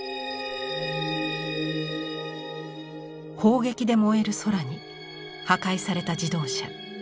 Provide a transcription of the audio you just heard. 砲撃で燃える空に破壊された自動車。